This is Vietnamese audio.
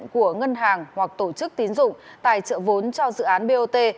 của ngân hàng hoặc tổ chức tín dụng tài trợ vốn cho dự án bot